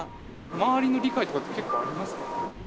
周りの理解とかって結構ありますか？